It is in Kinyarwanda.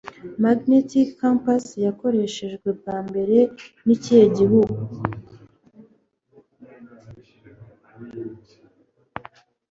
Magnetic Compass yakoreshejwe bwa mbere nikihe gihugu